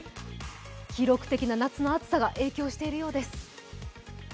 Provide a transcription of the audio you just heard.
記録的な夏の暑さが影響しているようです。